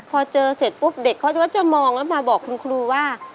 พอเจอเสร็จปุ๊บเด็กเขาก็จะมองแล้วมาบอกคุณครูว่า